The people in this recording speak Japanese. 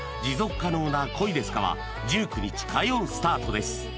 「持続可能な恋ですか？」は１９日火曜スタートです